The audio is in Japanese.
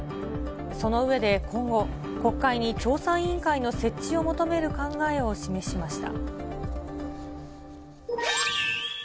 その上で今後、国会に調査委員会の設置を求める考えを示しました。